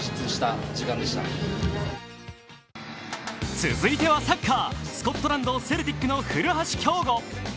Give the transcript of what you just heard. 続いてはサッカー、スコットランド・セルティックの古橋亨梧。